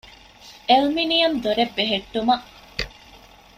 އެލްމިނިއަމް ދޮރެއް ބެހެއްޓުމަށް